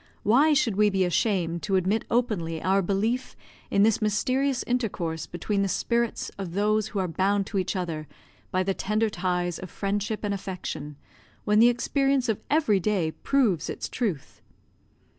Why should we be ashamed to admit openly our belief in this mysterious intercourse between the spirits of those who are bound to each other by the tender ties of friendship and affection, when the experience of every day proves its truth?